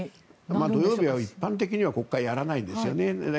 土曜日は一般的には国会はやらないですよね。